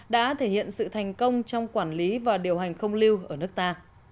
đã thể hiện sự thành công trong quản lý và điều hành không lưu ở nước ta